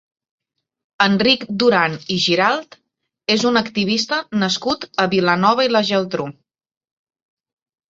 Enric Duran i Giralt és un activista nascut a Vilanova i la Geltrú.